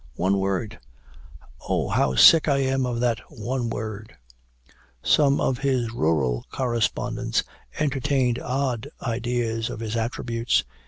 One word! Oh, how sick I am of that 'One word!'" Some of his rural correspondents entertained odd ideas of his attributes.